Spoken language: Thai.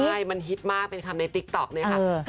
ใช่มันฮิตมากเป็นคำในติ๊กต๊อกเนี่ยค่ะ